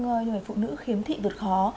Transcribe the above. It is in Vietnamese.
những người phụ nữ khiếm thị vượt khó